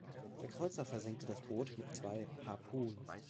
Der Kreuzer versenkte das Boot mit zwei "Harpoon".